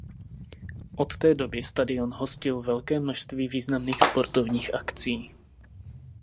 Od té doby stadion hostil velké množství významných sportovních akcí.